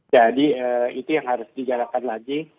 jadi itu yang harus dijalankan lagi